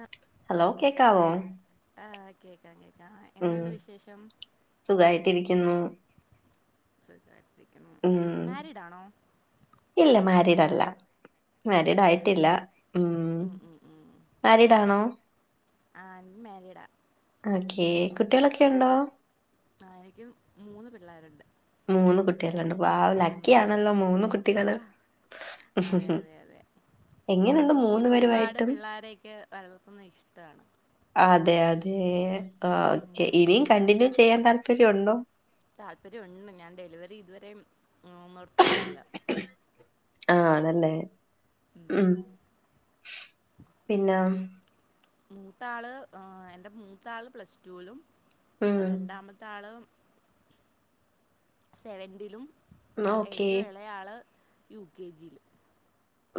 ആ ഹലോ കേക്കാവോ ആഹ് കേക്കാം കേക്കാം എന്തുണ്ട് വിശേഷം ട്ടിരിക്കുന്നു സുഖണ് ഉം.. ഇല്ല.. മാരിടല്ല മാരീഡ് അല്ല ആയിട്ടില്ല... ഉം. ഉം, ഉം. മാരീഡ് ആണോ ആ എനിക്ക് മാരീഡാ ഓക്കെ... കുട്ടികളൊക്കെ ഉണ്ടോ ആ എനിക്ക് മൂന്ന് പിള്ളേരുണ്ട്... മൂന്ന് കുട്ട്യാള വൗ.. ഉം. ലക്കിയണല്ലോ മൂന്ന് കുട്ടികള്.. ആ, അതെ അതെ അതെ എങ്ങനെയുണ്ട് മൂന്ന് എനിക്കിങ്ങനെ ഒരുപാട് പേരുമായിട്ടും പിള്ളോരെയൊക്കെ വളർത്തുന്നത് ഇഷ്ടമാണ് അതെ അതെ ആ ഓക്കെ ഉം, ഇനിയും കണ്ടിന്യൂ ചെയ്യാൻ താല്പര്യരുണ്ടോ താല്പര്യരുണ്ട് ഞാൻ ഡെലിവറി ഇതുവരെ നിർത്തിയിട്ടില്ല ആഹ്.. ആണല്ലേ... ഉം.. പിന്നാ മൂത്താള് എന്റെറെ മൂത്താള് പ്ലസ്ടു ലും ഉം രണ്ടാമത്തെ ആള് സെവന്റിലും ഓക്കെ ഏറ്റവും ഇള ആള് യു കെ ജിയില്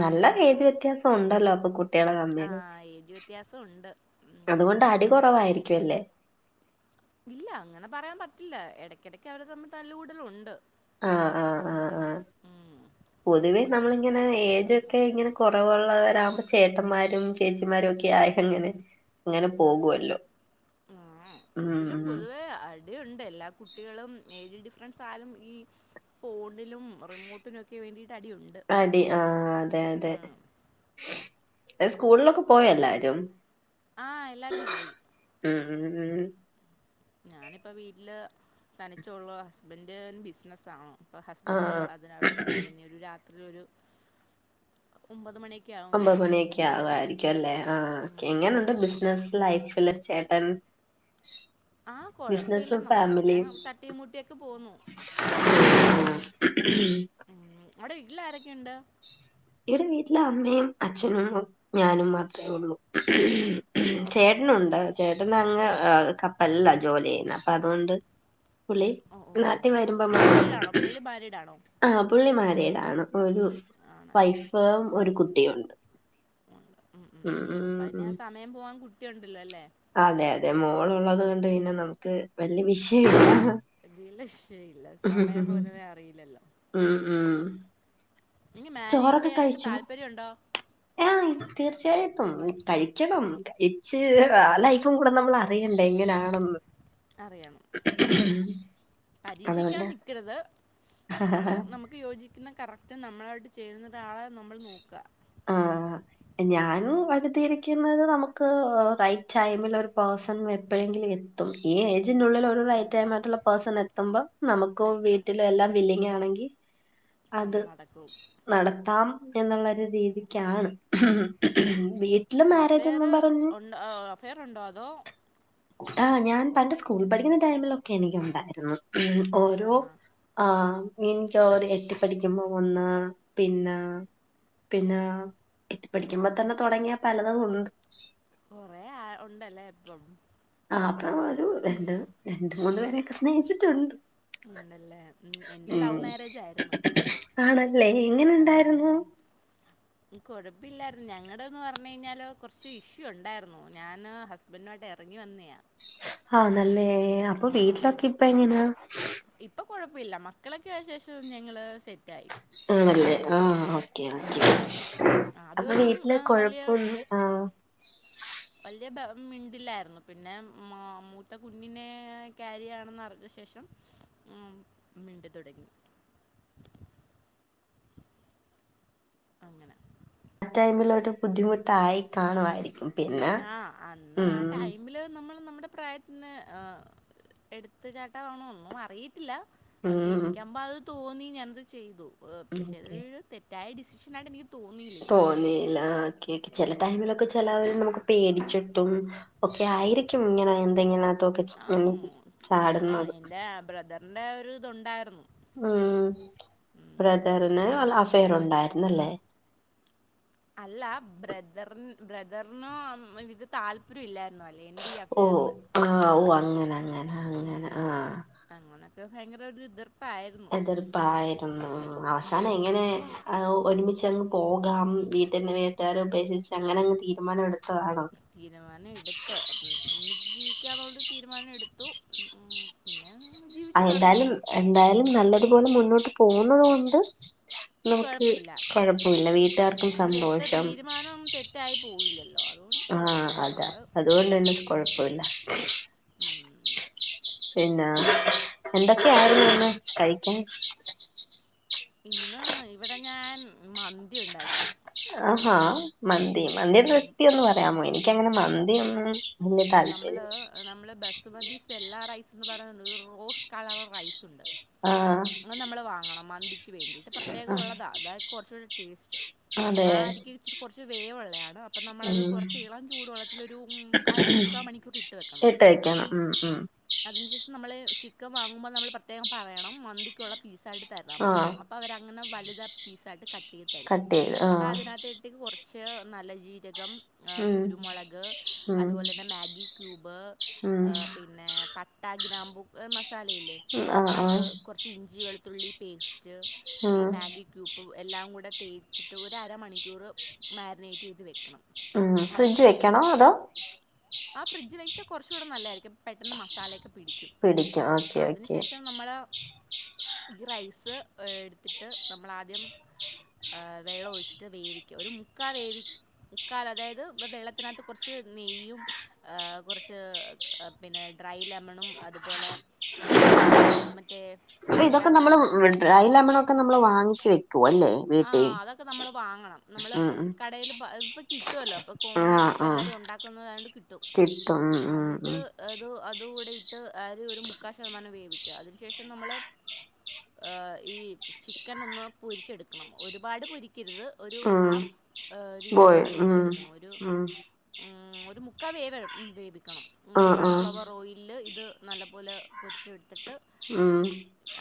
നല്ല ഏജ് വ്യത്യാസം ഉണ്ടല്ലോ അപ്പൊ കുട്ടികള് ആ തമ്മില്.. ഏജ് വ്യത്യാസം ഉണ്ട് ഉം. അതുകൊണ്ട് അടി കുറവായിരിക്കും ല്ലേ ഇല്ല അങ്ങനെ പറയാൻ പറ്റില്ല ഇടക്കിടക്ക് അവരെ തമ്മിൽ തല്ലൂടലും ഉണ്ട് ആഹ്. ആഹ് ആഹ് ആഹ്.. പൊതുവേ നമ്മളിങ്ങനെ ഏജൊക്കെ ഇങ്ങനെ കുറവുള്ളവരാകുമ്പോ ചേട്ടന്മാരും ചേച്ചിമാരും ഒക്കെ ആയി അങ്ങനെ ഇങ്ങനെ പോകുവല്ലോ ആ ഉം എങ്കിലും ഉം പൊതുവേ അടിയുണ്ട് എല്ലാ കുട്ടികളും ഏജ് ഫ്രണ്ട്സ് ആയലും ഈ ഫോണിനും റിമോട്ടിനും ഒക്കെ വേണ്ടിട്ട് അടി ആഹ്.. അതെ അതെ ഉം. സ്കൂളിലൊക്കെ പോയ എല്ലാരും ആഹ് എല്ലാരും പോയി ഉം ഉം ഉം ഞാനിപ്പോ വീട്ടില് തനിച്ചുള്ളൂ ഹസ്ബന്ഡ് ബിസിനസ് ആണ്.. ഇപ്പൊ ഹസ്ബൻഡ് ആഹ് അതിനവിടെ പോയി ഒരു രാത്രി ഒരു ഒമ്പത് മണി ഒമ്പത് മണിയൊക്കെ ആവുമായിരിക്കും അല്ലേ ആ എങ്ങനെയുണ്ട് ബിസിനസ് ലൈഫ് പിള്ളർ ച്ചേട്ടൻ ആഹ കൊഴപ്പില്ല നമ്മളിങ്ങനെ തട്ടി മൂട്ടിയൊക്കെ പോന്നു....... ഉ...... ഉം. അവിടെ വീട്ടില ആരൊക്കെയുണ്ട്...... ഇവിടെ വീട്ടിലെ അമ്മയും അച്ഛനും ഞാനും മാത്രമേ ഉള്ളൂ....... ആണല്ലേ ചേട്ടനുണ്ട് ചേട്ടൻ അങ്ങ് കപ്പലില ജോലി ചെയ്യുന്നെ അപ്പൊ അതുകൊണ്ട്...... പുള്ളി ഓ ഓ നാട്ടി വരുമ്പോ മാരീഡാണോ പുള്ളി മാരീഡാണോ ആഹ് പുള്ളി മാര...... ഒരു ആണല്ലേ വൈഫ ഒരു കുട്ടിയ ഉണ്ട്...... ഉം ഉം ഉ അപ്പ അതിനെ ആ സമയം പോവാൻ കുട്ടി ഉണ്ടല്ലോ അല്ലേ....... അതെ അതെ മോളള്ളത് കൊണ്ട് പിന്നെ നമുക്ക് വല്യ വിഷയമില്ല... എതില ഇക്ഷയില്ല സമയം പോുന്നത അറിയില്ലല്ലോ ആ നിങ്ങ മാരയഡ് ചെയ്യാനൊക്കെ താല്പര്യംണ്ടോ ആ തീർച്ചയായിട്ടും കഴിക്കണം കഴിച്ച് ആ ലൈഫും കൂടെ നമ്മൾ അറിയണ്ടേ എങ്ങനെയാണെന്ന് അറിയണം ഉം. പരീക്ഷിക്കാൻ അതുകൊണ്ട് നിക്കരുത് നമ്മള് നമുക്ക് യോജിക്കുന്ന കറക്റ്റ് നമ്മളായിട്ട് ചേരുന്ന ഒരാളെ നമ്മൾ നോക്ക ഞാന് വകുതിയിരിക്കുന്നത് നമുക്ക് റൈറ്റ് ടൈമിൽ ഒരു പേഴ്സൺ എപ്പോഴെങ്കിലും.. [inaudible] ള്ളിൽ ഒരു അതെ റൈറ്റട്ടുള്ള പേഴസൺ എത്ത്പം നമുക്ക് എത്തും വീട്ടിലും എല്ലാം വില്ലങ്ങയാണെങ്കിൽ സം അത് നടക്കും നടത്താം...... എന്നുള്ളൊരു രീതിക്കാണ്..... വീട്ടില് മാരേജ്ന്നും പറഞ്ഞു..... ഹലോ..... ട്ടാ ഞാൻ എന്റെ സ്കൂള പഠിക്കുന്ന ടൈമിലൊക്കെ എനിക്ക ഉണ്ടായിരുന്നു...... ഓരോ ആണോ ആ എനക്ക് അവര് എത്തിപ്പഠിക്കുമ്പോ ഒന്ന് പിന്നെ..... പിന്നെ എട്ടിപ്പഠിക്കുമ്പോ തന്നെ തുടങ്ങിയ പലതും ഉണ്ട്...... കൊറെ ആ ഉണ്ടല്ലേ ഇപ്പം.... ആ അപ്പ ഒരു രണ്ട് രണ്ട മൂന്ന് പേരൊക്കെ സ്നേഹിച്ചിട്ടുണ്ട്...... ഉണ്ടല്ലേ ഉ എൻന്റെ ഉം ലവ് മാരേജ ആയിരുന്നു..... ആ, എങ്ങനെുണ്ടായിരുന്നു...... അപ്പ ഇായിരുന്നു ഞങ്ങളുടെന്ന് പറഞ്ഞഞ് കഴിഞ്ഞാൽ കുറച്ച് ഇഷ്യൂ ഉണ്ടായിരുന്നു ഞാൻ ഹസ്ബൻഡനോമായിട്ട് ഇറങ്ങി വന്നതാണ്..... ആഹ നല്ല അപ്പൊ വീട്ടിലൊക്കെ ഇപ്പ എങ്ങനാ...... കുപ്പില്ല മക്കളൊക്കെ ആ ശേഷം ഞങ്ങള് സെറ്റായി..... ആണല്ലേ ആഹ ഓക്കെ ഓക്കെ ഉം. അപ്പൊ ആദ്യമൊന്നും ആ, വീട്ടിലെ വലിയ കൊഴപ്പൊന്ന് ആ...... വലിയ മിണ്ടില്ലായിരുന്നു പിന്നെമ്മൂത്തെ കുഞ്ഞിനെ ക്യാരിയാണെന്ന് അറിഞ്ഞ ശേഷം..... ഉ മിണ്ട തുടങ്ങി [inaudible] ആ ടൈമിൽൊ ഒരു ബുദ്ധിമുട്ടായി കാണു..... ആഹ് അന്ന് ആ ടൈമില് നമ്മൾ നമ്മുടെ....... പ്രായത്തിന് എടുത്ത ചാട്ടാവണന്നും അറി..... പക്ഷെ ഉം എനിക്കുമ്പോ അത് തോന്നി ഞാനത് ചെയ്തു പക്ഷെ..,.... ദായ ഡിസിഷനായിട്ട്നി..... തോന്നല ഓക്കെ ഓക്കെ...... ടൈമിലൊക്കെ ചിലവർ നമുക്ക് പേടിച്ചിട്ടും ഒക്കെ ആയിരിക്കും ഇങ്ങനെ എന്തെങ്ങന..... ഒക്കെ ആ ചാടുന്നത്..... അൻ്റെ ഒരു ഇതുണ്ടായിരുന്നു.... ആഹ.... ബ്രദറിന് അഫെയർ ഉണ്ടായിരുന്നല്ലേ...... അല്ല ബ്രദറി ബ്രദറിന ഇത് താല്പര്യം ഇല്ല..... ഓ ആ ഓ അങ്ങനെ അങ്ങനെ അങ്ങനെ ആ ഭയങ്കരാെര്ത്ർ എത്ർപ്പായിരുന്നു ഉം. അവസാനെങ്ങനെ ഏ ഒരുമിച്ചങ്ങ് പോ അ വീട്ടടിന്റെ വീട്ടുകാരെ ഉപേക്ഷിച്ച് അങ്ങനെ അങ് തീരുമാനം എടുു തീരുമാനം എടുത്ത് ജീവ ക്ക്യാന്നോണ്ട് തീര്മാനെട്ത്തു ഉം അ ജീവിച്ചു തുടങ്ങി എന്തായാലും എന്തായാലും നല്ലത് പോലെ മുന്നോട്ട് പോകുന്നത് കൊണ്ട് നമുക്ക് കുഴപ്പമില്ല കൊഴപ്പമില്ല ഉം, വീട്ട്കാർക്കും നമ്മളെടുത്ത സന്തോഷം തീരുമാനം തെറ്റായി പോയില്ലല്ലോ അതുകൊണ്ട് ആ കുഴപ്പമില്ല അതാ നമ്മൾ അത്കൊണ്ട് തന്നെ കൊഴപ്പല്ല പിന്നാ എന്തൊക്കെയായ്ര്ന്ന് ഇന്ന് കഴിക്ക്യാൻ ഇന്ന് ഇവ്ടെ ഞാൻ മന്തി ഉണ്ടാക്കി ആഹാ മന്തി മന്തിയ്ടെ റെസിപ്പി ഒന്ന് പറയാമോ എനിക്കങ്ങനെ മന്തി ഒന്നും നമ്മള് നമ്മള് ബസ്മതി സെല്ലാ റൈസ് ന്നു പറാ ര് റോസ് കളർ റൈസുണ്ട് ആഹ് അത് നമ്മള് വാങ്ങണം മൻ ക്ക് വേണ്ടീട്ട് പ്രത്യേകം ആഹ് ഒള്ളതാ ന്നാല് കൊർച്ചൂടി ടേസ്റ്റ് ആ അതെ അരിക്ക് ഇച്ചിരി കൊർച്ച് വേവ്ള്ളെയാണ് അപ്പൊ നമ്മളത് ഉം കുറച്ച് ഇളം ചൂട് വെള്ളത്തിലൊരു അര മുക്കാ മണിക്കൂർ ഇട്ട് വെക്കണം ഇട്ടേക്കണം ഉം ഉം അതിന് ശേഷം നമ്മള് ചിക്കൻ വാങ്ങുമ്പ നമ്മള് പ്രത്യേകം പറയണം മന്തിക്കുള്ള പീസായ്ട് തരണം പറയണം ആഹ് അപ്പൊ അവരങ്ങനെ വല്ത പീസായിട്ട് കട്ടെയ്ത് തെരും കട്ട് ചെയ്ത് അപ്പൊ ആഹ് അതിനകത്തേട്ത്തേക് കൊർ ച്ച് നല്ല ജീരകം ഏ ഉം കുരുമാെളക് ഉം അത്പോലെന്നെ മാഗി ക്യൂബ് ഉം ഏ പിന്നെ പട്ട ഗ്രാമ്പുക്ക് മസ സാലയില്ലെ ആഹ് ആഹ് അത് കൊർച്ച് ഇഞ്ചി വെൾത്തുള്ളി പേസ്റ്റ് ഈ ഉം മാഗി ക്യൂബും എല്ലാം കൂടെ തേച്ചിട്ട് ഒരരമണിക്കൂറ് മാഗ്നേയ്റ്റെയ്ത് വെക്കണം ഉം ഫ്രിഡ്ജ് അതിനുശേഷം വെക്കണോ അതോ ആ ഫ്രിഡ് വെച്ചാ കൊർച്ചൂടെ നല്ലയ്രിക്കും പെട്ടെന്ന് മസാലയെക്കെ പിടിക്കാ ഓക്കെ ഓക്കേ നമ്മൾ ഈ റൈസ് എട്ത്തിട്ട് നമ്മളാദ്യം ഏ വെള്ള ഒഴ്ച്ചിട്ട് വേവിക്ക ഒര് മുക്കാ വേവി മുക്കാല് അതായത് വെ വെള്ളത്തിനകത്ത് കൊർച്ച് നെയ്യും ഏ കുറച്ച് പിന്നെ ഡ്രൈ ലെമണും അത്പോലെ കൊർച്ച് മറ്റേ അപ്പ ഇതൊക്കെ പട്ട നമ്മള് ഗ്രാമ്പൂ ഡ്രൈ ലമണൊക്കെ നമ്മള് വാങ്ങിച്ച് വെ ആ അതൊക്കെ നമ്മള് വാങ്ങണം നമ്മള് ഉം കടേല് പ്പ ഇപ്പ കിട്ടു അല്ലോ പ്പൊ ഉം കോമണായ്ട്ട് ആഹ് ഇപ് ആഹ് എല്ലാരും ഒണ്ടാക്ക്ന്നതായോണ്ട് കിട്ടും കിട്ടും ഉം അന്നിട്ട് ഉം ഉം ഇത് അത് കൂടെ ഇട്ട് ആര് ഒര് മുക്കാ ശതമാന് വേവി അതിന് ശേഷം നമ്മള് ആ ഈ ചിക്കനൊന്ന് പൊരിച്ചെട് ക്കണം ഒര്പാട് പൊരി ക്കര്ത് ഒരു ഉം ഹാഫ് ആ ബോയ് രീതിയില് ഉം പൊരിച്ചെടുക്കണം ഒരു ഉം ഉം ഒരു മുക്കാ വേവ വേവിക്കണം ങ്ങൾ ആഹ് ആഹ് സൺഫ്ലെവറോയ്ൽല് ഇത് നല്ലപോലെ പൊര്ച്ച്ട്ത്ത് ട്ട് ഉം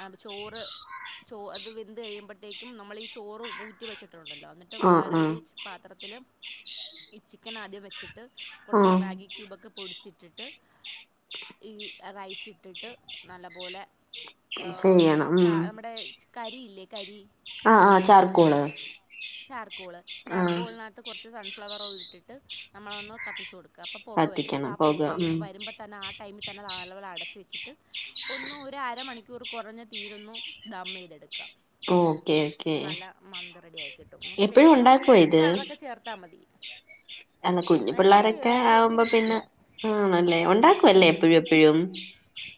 അപ ചോറ് ചോ അത് വെന്ത് കഴിയ്മ്പഴ്ത്തേക്കും നമ്മളീ ചോറും ഊറ്റി വെച്ചിട്ടുണ്ടല്ലോ അന്നിട്ട് ആഹ് വേറെ ഒര് ആഹ് പാത്രത്തില് ഈ ചിക്കനാദ്യം വെച്ചിട്ട് കൊർച്ച് ആഹ് മാഗി ക്യൂബൊക്കെ പൊടിച്ചി ട്ടിട്ട് ഈ റൈസിട്ടിട്ട് നല്ലപോലെ ആ ചെയ്യണം ച നമ്മടെ കരിയില്ലേ കരി ആ ആ ചാർക്കോള് ചാർക്കോള് ആഹ് ചാർക്കോളിനകത്ത് കൊർച്ച് സൺഫ്ലവറോയ്ൽട്ട്ട്ട് നമ്മളൊന്ന് കത്തിച്ച് കൊട് ക്ക അപ്പ പാെക വരും അപ്പം കത്തിക്കണം ആ പൊക പാെകെ ഉം വര്മ്പ തന്നെ ആ ടൈമിൽ തന്നെ നല്ലപോലെ അടച്ച് വെച്ചിട്ട് ഒന്ന് ഒരരമണിക്കൂർ കാെറഞ്ഞ തീയ്ലൊന്നു ദമ്മെയ്തെട് ഓക്കെ ഓക്കേ നമ്ക്ക് വേണൊങ്കിൽ ഫുഡ് കളറൊക്കെ ചേർത്താ മതി ആ കുഞ്ഞു ഭയങ്കര പിള്ളാരൊക്കെ ഭയങ്കര ആവുമ്പ പിന്നെ ഈസിയാണ് ആണല്ലേ ഉണ്ടാക്കും അല്ലേ എപ്പഴും എപ്പഴും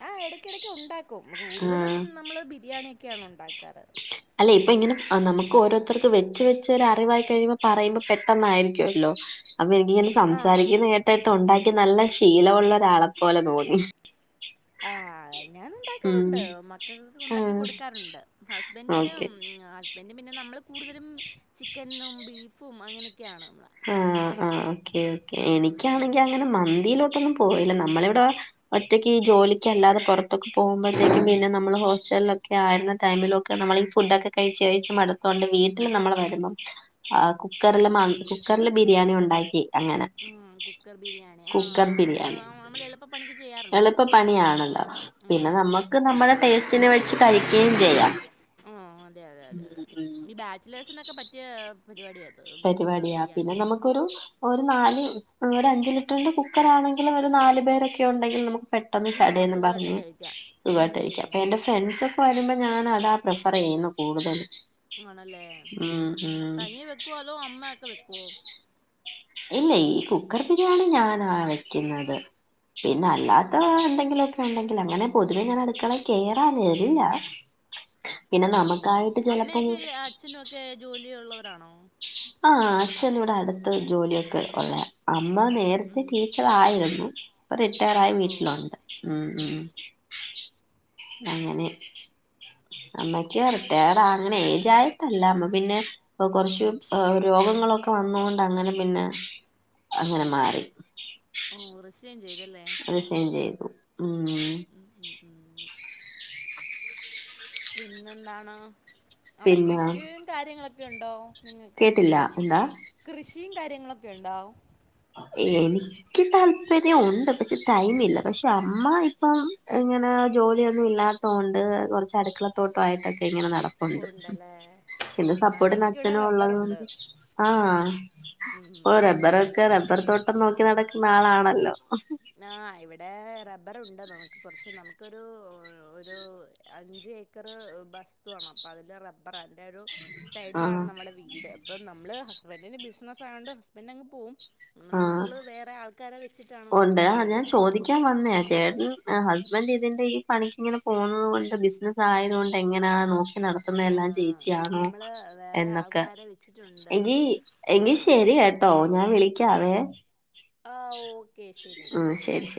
ആ് ഇടക്ക ഇടക്ക് ഉണ്ടാക്കും കൂടുതലും ആഹ് നമ്മള് ബിരിയാണിയക്കെയാണ് ഉണ്ടാക്കാറ്. അല്ലെ ഇപ്പൊ ഇങ്ങനെ നമുക്ക് ഓരോരുത്തർക്ക് വച്ച് വെച്ച് ഒരു അറിവായി കഴിയുമ്പോൾ പറയുമ്പോൾ പെട്ടെന്നായിരിക്കുമല്ലോ അപ്പൊ എനിക്ക്ങ്ങനെ ആ സംസാരിക്കുന്നെ കേട്ടേട്ട് ഉണ്ടാക്കി നല്ല ശീലവുള്ളൊരാളെപ്പോലെ തോന്നി ആ ഞാൻ ഉം ഉണ്ടാക്കാറുണ്ട് മക്കൾകൊക്കെ ഉണ്ടാക്കി ആഹ് കൊട്ക്കാറുണ്ട് ഹസ്ബന്റി ഓക്കെ ഹസ്ബൻഡ പിന്നെ നമ്മള് കൂടുതലും ചിക്കനും ബീഫും അങ്ങനെ ആ ആ ഓക്കേ ഓക്കേ എനിക്കാണെങ്കിൽ അങ്ങനെ മന്തിയിലോട്ടൊന്ന- പോയില്ല നമ്മളിവിടെ ഒറ്റക്ക് ഈ ജോലിക്ക് അല്ലാതെ പുറത്തൊക്കെ പോകുമ്പോഴത്തേക്കും പിന്നെ നമ്മൾ ഹോസ്റ്റല ആരുന്ന ടൈമിലൊക്കെ നമ്മൾ ഈ ഫുഡൊക്കെ കഴിച്ച കഴച്ച് മടുത്തോണ്ട് വീട്ടിൽ നമ്മള് വരുമ്പം കുക്കറില് മ കുക്കറില് ബിരിയാണി ഉണ്ടാക്കി. അങ്ങനെ ഉ കുക്കർ ബിരിയാണി കുക്കർ ആഹ അത് ബിരിയാണി നമ്മൾ എളുപ്പപ്പണിക്ക് ചെയ്യാറുണ്ട് എളുപ്പ അത്. പണിയാണല്ലോ പിന്നെ ആഹ് നമ്മുക്ക് നമ്മള ടേസ്റ്റിന് വച്ച് കഴിക്കുകയും ചെയ്യാം. ആ അതെ അതെ അതെ ഉം അതെ ഉം ഈ ബാച്ചലേഴ്സിനൊക്കെ പറ്റിയ പരിപാടിയരുന്നു. പരിപാടിയാ പിന്നെ നമുക്കരു ഒരു നാല് ഒരു അഞ്ച് ലിറ്ററിന്റെ കുക്കർണെങ്കിലും ഒരു നാല് പേരൊക്കെ ഉണ്ടെങ്കിൽ നമുക്ക് പെട്ടെന്ന് ആഹ് ചടന്ന് സുഖമായിട്ട് പറഞ്ഞു കഴിക്കാം സുഖമായിട്ടഴിക്ക ഉം അപ്പൊ എന്റെ ഫ്രണ്ട്സ് ഇപ്പോ വരുമ്പോൾ ഞാൻ അതാ പ്രിഫർ ചെയ്യുന്നു കൂടുതലും ആണല്ലേ തനിയെ വെക്കുവാലോ അമ്മ ഒക്കെ വെക്കോ ഇല്ല ഈ കുക്കർ ബരിയാണി ഞാനാ വെക്കുന്നത് പിന്നെ അല്ലാത്ത ആണല്ലേ എന്തെങ്കിലുമൊക്കെ ഉണ്ടെങ്കിൽ അങ്ങനെ പൊതുവേ ഞൻ അടുക്കള കേറാൻ വരില്ല ഉ ഉ ഉം അമ്മയൊക്കെ അച്ഛനുംക്കെ ജോലിയ ഉള്ളവരാണോ? ആഹ അച്ഛൻ ഇവിടെ അടുത്ത ജോലിയൊക്കെ ഉള്ളയാ അമ്മ നേരത്തെ ടീച്ചർ ആയിരുന്നു. ഇപ്പൊ റിട്ടയർ ആായി ഓ വീട്ടിലുണ്ട് ഉ ഉ അങ്ങനെ. അമ്മയ്ക്ക് റിട്ടയഡാ അങ്ങനെ അജ് ആായിട്ടല്ല അമ്മ പിന്നെ കൊറച്ചു രോഗങ്ങളൊക്കെ വന്നുകൊണ്ട് അങ്ങനെ പിന്നെ അങ്ങനെ മാറി ഓ റിസൈൻ ചെയ്തല്ലേ റിസൈൻ ചെയ്തു ഉം പിന്നെന്താണ് അവിടെ പിന്നെ കൃഷിയും കാര്യങ്ങളൊക്കെ ഉണ്ടോ? നിങ്ങൾക്ക് കേട്ടില്ല എന്താ കൃഷിയും കാര്യങ്ങളും ഒക്കെ? ഉണ്ടോ എനിക്ക് താല്പര്യം ഉണ്ട് പക്ഷെ ടൈമ ഇില്ല പക്ഷെ അമ്മ ഇപ്പം ഇങ്ങനെ ജോലിയൊന്നും ഇല്ലാത്തതൊണ്ട് കുറച്ച് അടുക്കളത്തോട്ടയിട്ടൊക്കെ ഇങ്ങനെ നട പ്പുണ്ട് ഉണ്ടല്ലേ പിന്നെ ആ സപ്പോർട്ട്ന് ഞങ്ങൾക്ക് ഇവിടെ അച്ഛനും ഉള്ളത് റബ്ബറുണ്ട് കൊണ്ട് ആഹ ഉം ഓ റബ്ബറൊക്കെ ഞങ്ങക്ക് റബ്ബർ തോട്ടം നോക്കി നടക്കുന്ന ആളാണല്ലോ. ആ് ഇവിടെ റ റബറുണ്ട് നമുക്ക് കുറച്ച് നമുക്കൊരു ഒരു അഞ്ച് ഏക്കർ വസ്തു അന്ന് അപ്പോം അപ്പ അതില് റബ്ബർ അന്റെറെ ഒരു സൈഡിലാണ് ആഹ് നമ്മളുടെ വീട് അപ്പം നമ്മള് ഹസ്ബൻഡിന്റെ ബിസിനസ്സ് ആയതോണ്ട് ഹസ്ബൻഡ അങ്ങ് പോകും നമ്മക്കള്ളത് വേറെ ആൾക്കാരെ വെച്ചിട്ടാണ് നമ്മളത് അ ഞാൻ ചെയ്യാ ചോദിക്കാൻ വന്നേ ചേട്ടൻ ഹസ്ബെന്റ് ഇതിന്റെ ഈ പണിക്കിങ്ങനെപോകുന്നത് കൊണ്ട് ബിസിനസ് ആയതുകൊണ്ട് എങ്ങനെയ നോ ക്കിനടത്തുന്ന എല്ലാം ആഹ് അത് ചേച്ചിയാണോ നമ്മള് വേറെ എന്നൊക്കെ ആൾക്കാരെ വെച്ചിട്ടുണ്ട് എങ്കി എങ്കി ആഹ് ശരി കേട്ടോ ഞാൻ വിളിക്കാവേ. ആ ഓക്കേ ശരി ഉം ശരി ശരി